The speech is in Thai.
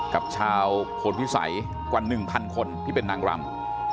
กับชาวโพธิสัยกว่า๑๐๐คนที่เป็นนางรำ